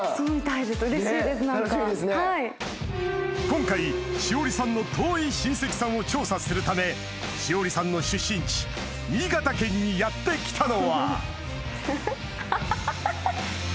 今回栞里さんの遠い親戚さんを調査するため栞里さんの出身地新潟県にやって来たのはハハハ！